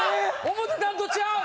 思ってたんとちゃう！